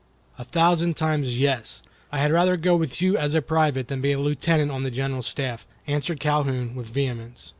"A thousand times, yes. I had rather go with you as a private than be a lieutenant on the General's staff," answered Calhoun, with vehemence.